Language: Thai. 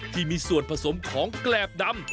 ที่มีส่วนผสมของแกรบดำ